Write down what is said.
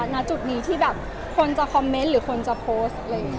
ณจุดนี้ที่แบบคนจะคอมเมนต์หรือคนจะโพสต์อะไรอย่างนี้